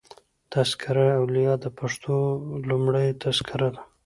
"تذکرة الاولیا" دپښتو لومړۍ تذکره ده.